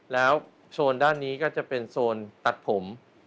แล้วโซนด้านนี้ก็จะเป็นโซนตัดผม